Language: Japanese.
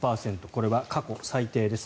これは過去最低です。